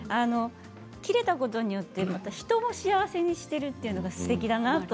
切れたことによって人を幸せにしているということがすてきですね。